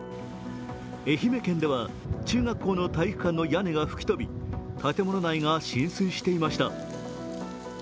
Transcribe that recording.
愛媛県では、中国の体育館の屋根が吹き飛び、建物内が浸水していました。